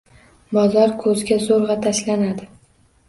Bozor ko‘zga zo‘rg‘a tashlanadi.